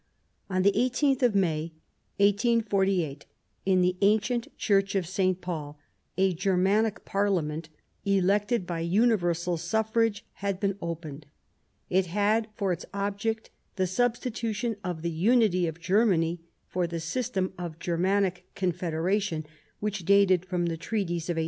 On the i8th of May, 1848, in the ancient church of St. Paul, a Germanic Parliament, elected by universal suffrage, had been opened ; TheParlia it had for its object the substitution of Frankfort the unity of Germany for the system of Germanic Confederation which dated from the treaties of 1815.